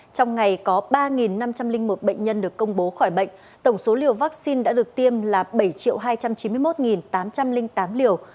trong ngày có ba năm trăm linh một bệnh nhân được công bố khỏi bệnh tổng số liều vaccine đã được tiêm là bảy hai trăm chín mươi một tám trăm linh tám liều